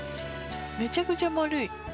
めちゃくちゃ丸い。